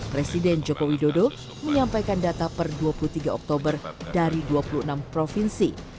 presiden joko widodo menyampaikan data per dua puluh tiga oktober dari dua puluh enam provinsi